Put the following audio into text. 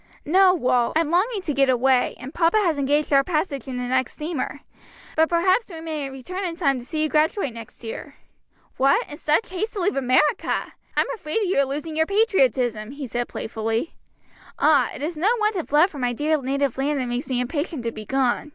"No, Wal. I'm longing to get away, and papa has engaged our passage in the next steamer. But perhaps we may return in time to see you graduate next year." "What, in such haste to leave America! I'm afraid you're losing your patriotism," he said playfully. "Ah, it is no want of love for my dear native land that makes me impatient to be gone!"